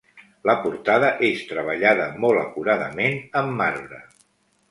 La portada és treballada molt acuradament amb marbre.